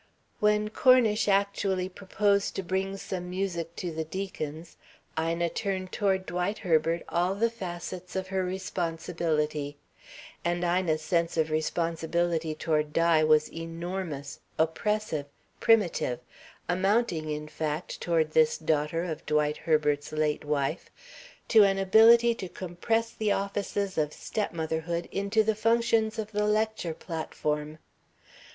When Cornish actually proposed to bring some music to the Deacons', Ina turned toward Dwight Herbert all the facets of her responsibility. And Ina's sense of responsibility toward Di was enormous, oppressive, primitive, amounting, in fact, toward this daughter of Dwight Herbert's late wife, to an ability to compress the offices of stepmotherhood into the functions of the lecture platform.